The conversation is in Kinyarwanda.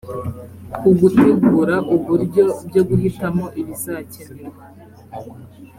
ugutegura uburyo byo guhitamo ibizakenerwa